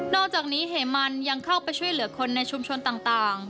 อกจากนี้เหมันยังเข้าไปช่วยเหลือคนในชุมชนต่าง